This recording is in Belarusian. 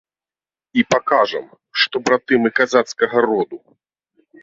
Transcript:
І пакажам, што браты мы казацкага роду.